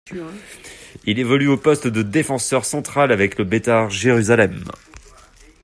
Il évolue au poste de défenseur central avec le Beitar Jérusalem.